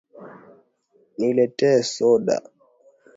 Niletee soda